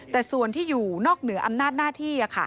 แต่ส่วนที่อยู่นอกเหนืออำนาจหน้าที่